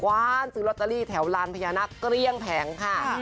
วานซื้อลอตเตอรี่แถวลานพญานาคเกลี้ยงแผงค่ะ